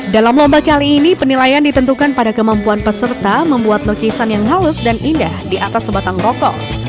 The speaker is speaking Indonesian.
dalam lomba kali ini penilaian ditentukan pada kemampuan peserta membuat lukisan yang halus dan indah di atas sebatang rokok